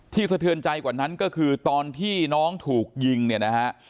สะเทือนใจกว่านั้นก็คือตอนที่น้องถูกยิงเนี่ยนะฮะ